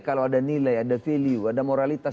kalau ada nilai ada value ada moralitas